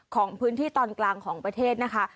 ของพื้นที่ตอนกลางของประเทศนะคะ